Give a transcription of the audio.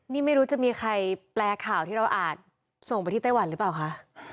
นี่ไม่รู้จะมีใครแปลข่าวที่เราอาจส่งไปที่ไต้หวันหรือเปล่าคะ